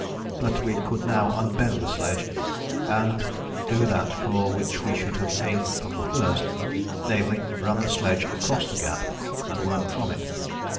But we could now unbend the sledge, and do that for which we should have aimed from the first, namely, run the sledge across the gap and work from it.